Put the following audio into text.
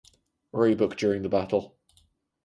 Roebuck during the battle.